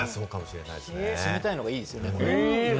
冷たいのがいいですよね。